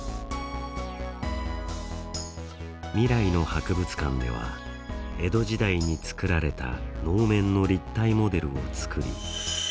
「未来の博物館」では江戸時代に作られた能面の立体モデルを作り